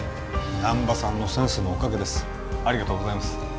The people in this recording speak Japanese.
難波さんのセンスのおかげですありがとうございます